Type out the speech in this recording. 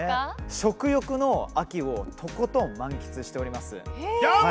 食欲の秋をとことん満喫しています。